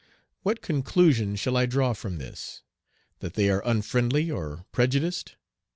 What conclusion shall I draw from this? That they are unfriendly or prejudiced?